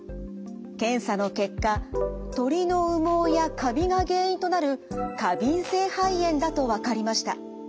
検査の結果鳥の羽毛やカビが原因となる過敏性肺炎だと分かりました。